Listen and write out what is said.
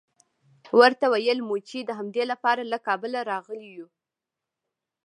ورته ویل مو چې د همدې لپاره له کابله راغلي یوو.